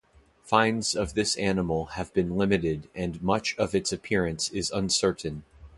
Finds of this animal have been limited and much of its appearance is uncertain.